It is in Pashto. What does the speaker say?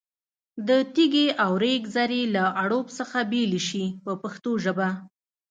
د تېږې او ریګ ذرې له اړوب څخه بېلې شي په پښتو ژبه.